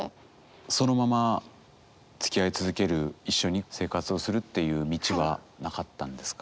そのままつきあい続ける一緒に生活をするっていう道はなかったんですか？